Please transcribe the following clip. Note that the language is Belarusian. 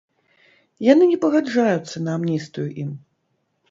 Яны не пагаджаюцца на амністыю ім.